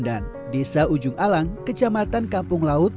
dusun bondan desa ujung alang kecamatan kampung laut